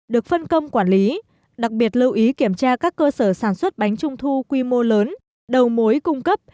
được phân công quản lý đặc biệt lưu ý kiểm tra các cơ sở sản xuất bánh trung thu quy mô lớn đầu mối cung cấp